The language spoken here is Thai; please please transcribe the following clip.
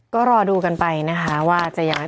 ก็รอดูกันไปนะคะว่าจะย้าย